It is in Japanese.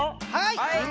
はい。